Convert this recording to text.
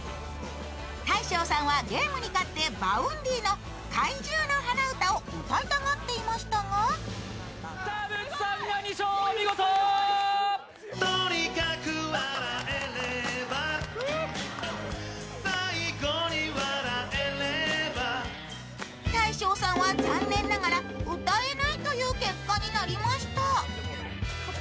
大昇さんはゲームに勝ってＶａｕｎｄｙの「怪獣の花唄」を歌いたがっていましたが大昇さんは残念ながら歌えないという結果になりました。